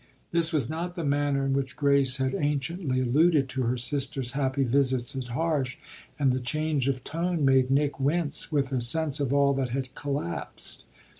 This was not the manner in which Grace had anciently alluded to her sister's happy visits at Harsh, and the change of tone made Nick wince with a sense of all that had collapsed.